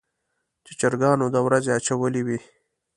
چې چرګانو د ورځې اچولې وي.